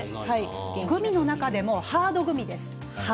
グミの中でもハードグミです。